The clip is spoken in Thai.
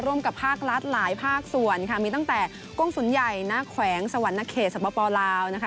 กับภาครัฐหลายภาคส่วนค่ะมีตั้งแต่กงศูนย์ใหญ่ณแขวงสวรรณเขตสปลาวนะคะ